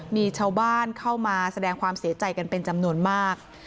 มีชาวบ้านเข้ามาแสดงความเสียใจกันเป็นจำนวนมาก